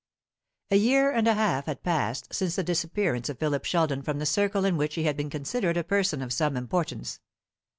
A year and a half had passed since the disappearance of Philip Sheldon from the circle in which he had been considered a person of some importance.